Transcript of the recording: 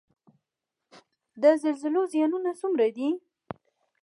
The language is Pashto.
د زلزلو زیانونه څومره دي؟